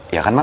iya kan mal